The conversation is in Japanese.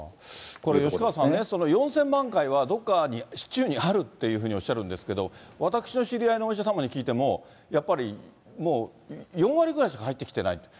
これ、吉川さんね、４０００万回は、どこかに、市中にあるっていうふうにおっしゃるんですけど、私の知り合いのお医者様に聞いても、やっぱりもう４割ぐらいしか入ってきてないと。